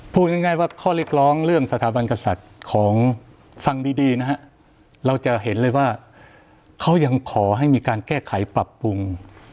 พูดง่ายว่าข้อเรียกร้องเรื่องสถาบันกษัตริย์ของฟังดีนะฮะเราจะเห็นเลยว่าเขายังขอให้มีการแก้ไขปรับปรุง